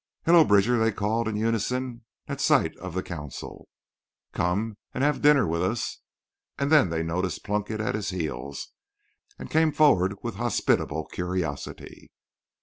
"Hello, Bridger" they called in unison at sight Of the consul. "Come and have dinner with us!" And then they noticed Plunkett at his heels, and came forward with hospitable curiosity.